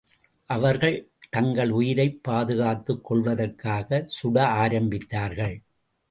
அவர்கள் தங்கள் உயிரைப் பாதுகாத்துக் கொள்வதற்காகச் சுட ஆரம்பித்தார்கள்.